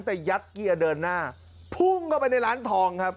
แต่ยัดเกียร์เดินหน้าพุ่งเข้าไปในร้านทองครับ